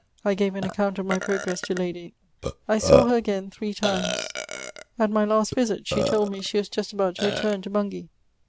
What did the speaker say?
I gave an account of my progress to Lady . I saw her again three times ; at my last visit, she told me she was just about to return to Bungay.